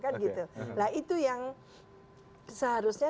nah itu yang seharusnya